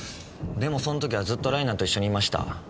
でもその時はずっとライナと一緒にいました。